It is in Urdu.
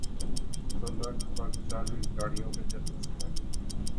تو لگ بھگ چالیس گاڑیوں کے جلوس میں۔